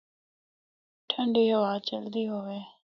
ٹھنڈی ہوا چلدی ہُوِّے۔